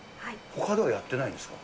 ほかではやってないんですか？